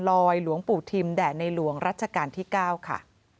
หลวงปู่ทิมแด่ในหลวงรัชกาลที่๙ค่ะ